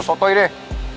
bersosok toh gini deh